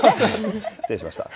失礼しました。